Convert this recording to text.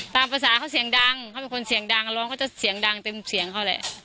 ตามภาษาเขาเสียงดังเขาเป็นคนเสียงดังร้องเขาจะเสียงดังเต็มเสียงเขาแหละ